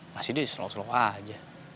masih dia slow slow aja